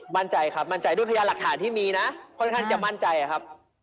มั่นใจครับมั่นใจด้วยพยานหลักฐานที่มีนะค่อนข้างจะมั่นใจครับ